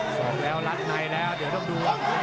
ออกแล้วรัดในแล้วเดี๋ยวต้องดูครับ